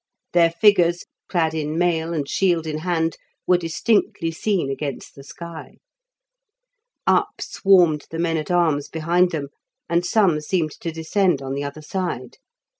Their figures, clad in mail and shield in hand, were distinctly seen against the sky. Up swarmed the men at arms behind them, and some seemed to descend on the other side.